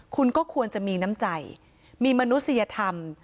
คุณก็ควรจะมีน้ำใจมีมนุษยธรรม